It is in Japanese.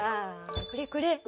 これこれ。